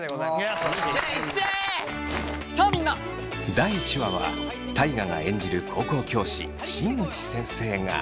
第１話は大我が演じる高校教師新内先生が。